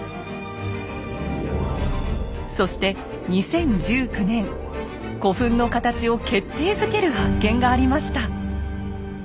そして２０１９年古墳の形を決定づける発見がありました。